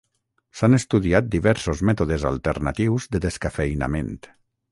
S'han estudiat diversos mètodes alternatius de descafeïnament.